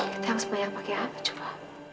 kita harus banyak pakai apa coba